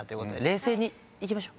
冷静にいきましょ。